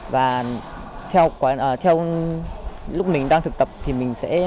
và theo ông lúc mình đang thực tập thì mình sẽ